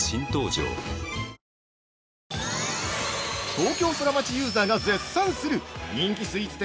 ◆東京ソラマチユーザーが絶賛する人気スイーツ店